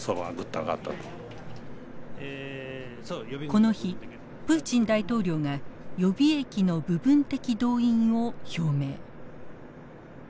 この日プーチン大統領が予備役の部分的動員を表明。